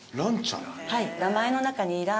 はい。